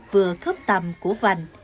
vừa khớp tầm của vành